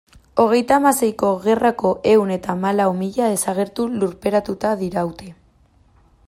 Hogeita hamaseiko gerrako ehun eta hamalau mila desagertu lurperatuta diraute.